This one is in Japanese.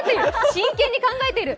真剣に考えている。